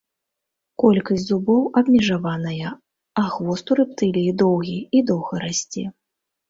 Колькасць зубоў абмежаваная, а хвост у рэптыліі доўгі, і доўга расце.